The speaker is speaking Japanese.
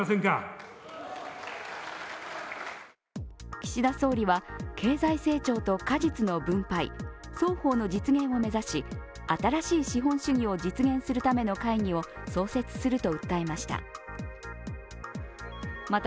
岸田総理は経済成長と果実の分配、双方の実現を目指し、新しい資本主義を実現するための会議を創設すると訴えました。